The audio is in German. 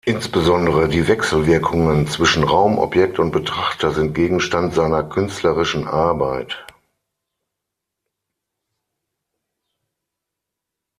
Insbesondere die Wechselwirkungen zwischen Raum, Objekt und Betrachter sind Gegenstand seiner künstlerischen Arbeit.